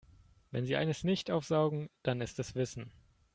Wenn sie eines nicht aufsaugen, dann ist es Wissen.